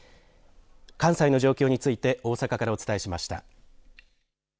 関西の状況について大阪からお伝えしました。